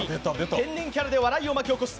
天然キャラで笑いを巻き起こす！